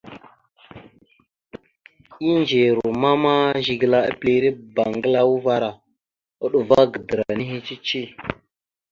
Indze ruma ma Zigəla epilire bangəla uvar a, uɗuva gadəra nehe cici.